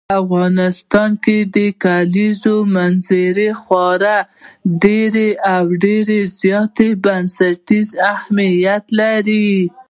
په افغانستان کې د کلیزو منظره خورا ډېر او ډېر زیات بنسټیز اهمیت لري.